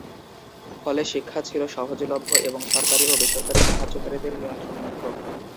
ফলে শিক্ষা ছিল সহজলভ্য এবং সরকারি ও বেসরকারি সাহায্যকারীদের নিয়ন্ত্রণমুক্ত।